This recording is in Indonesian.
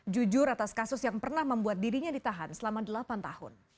jujur atas kasus yang pernah membuat dirinya ditahan selama delapan tahun